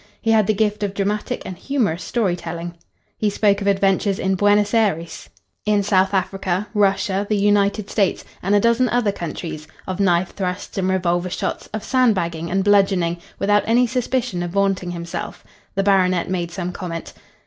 He had the gift of dramatic and humorous story telling. He spoke of adventures in Buenos Ayres, in South Africa, Russia, the United States, and a dozen other countries, of knife thrusts and revolver shots, of sand bagging and bludgeoning, without any suspicion of vaunting himself. The baronet made some comment.